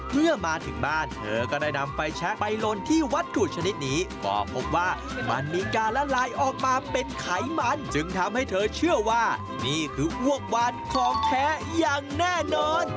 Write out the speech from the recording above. เมื่อมาถึงบ้านเธอก็ได้นำไฟแชคไปลนที่วัตถุชนิดนี้ก็พบว่ามันมีการละลายออกมาเป็นไขมันจึงทำให้เธอเชื่อว่านี่คืออ้วกวานของแท้อย่างแน่นอน